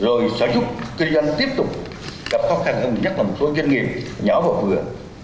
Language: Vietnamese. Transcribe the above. rồi sẽ giúp kinh doanh tiếp tục gặp khó khăn hơn nhất là một số doanh nghiệp nhỏ và vừa